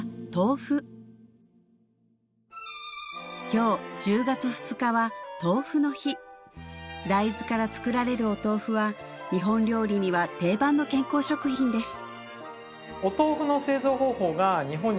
今日１０月２日は豆腐の日大豆から作られるお豆腐は日本料理には定番の健康食品です